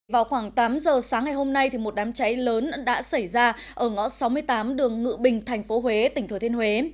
vào khoảng tám giờ sáng ngày hôm nay một đám cháy lớn đã xảy ra ở ngõ sáu mươi tám đường ngự bình thành phố huế tỉnh thừa thiên huế